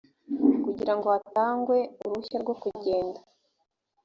kugira ngo hatangwe uruhushya rwo kugenda